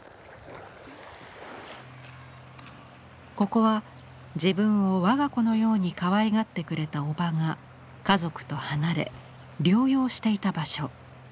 ここは自分を我が子のようにかわいがってくれたおばが家族と離れ療養していた場所。